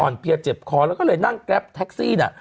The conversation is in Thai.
อ่อนเพียรเจ็บคอแล้วก็เลยนั่งแก๊ปแท็กซี่น่ะ